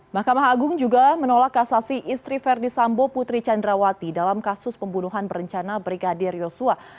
mahkamah agung juga menolak kasasi istri verdi sambo putri candrawati dalam kasus pembunuhan berencana brigadir yosua